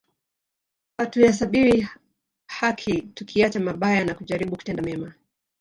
Hatuhesabiwi haki tukiacha mabaya na kujaribu kutenda mema